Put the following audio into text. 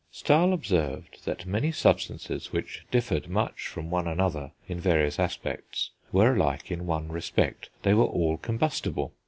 Stahl observed that many substances which differed much from one another in various respects were alike in one respect; they were all combustible.